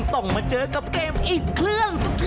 ต้องมาเจอกับเกมอีกเครื่องสะเทือนเข้า